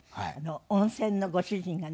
温泉のご主人がね